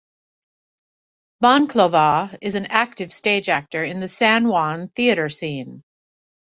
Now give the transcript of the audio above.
Monclova is an active stage actor in the San Juan theater scene.